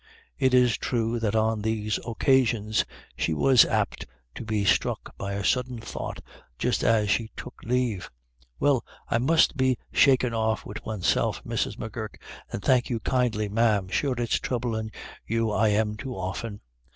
It is true that on these occasions she was apt to be Ik . A WINDFALL. 19 struck by a sudden thought just as she took leave. "Well, I must be shankin' off wid oneself, Mrs. M'Gurk, and thank you kindly, ma'am. Sure it's troublin' you I am too often."